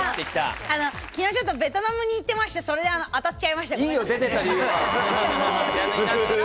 昨日ちょっとベトナムに行ってまして、ちょっと当たっちゃいました。